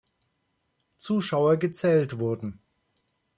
Zuschauer gezählt wurden.